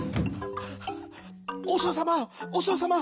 おしょうさまおしょうさま。